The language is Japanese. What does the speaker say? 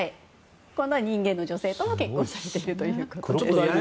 人間の女性とも結婚されているということです。